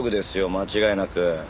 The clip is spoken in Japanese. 間違いなく。